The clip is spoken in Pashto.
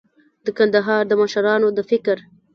د کندهار د مشرانو د فکر